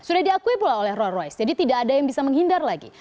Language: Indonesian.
sudah diakui pula oleh roy royce jadi tidak ada yang bisa menghindar lagi